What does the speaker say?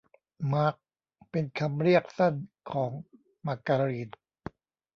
มาร์ก เป็นคำเรียกสั้นของมาการีน